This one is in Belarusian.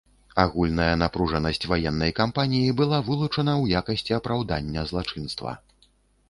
Агульная напружанасць ваеннай кампаніі была вылучана ў якасці апраўдання злачынства.